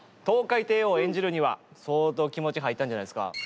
トウカイテイオーを演じるには相当気持ち入ったんじゃないですか？